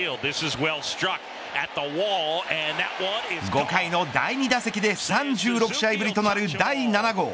５回の第２打席で３６試合ぶりとなる第７号。